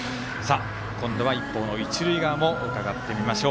今度は一方の一塁側もうかがってみましょう。